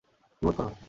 কী বোধ কর।